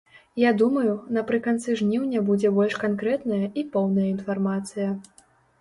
Я думаю, напрыканцы жніўня будзе больш канкрэтная і поўная інфармацыя.